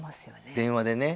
電話でね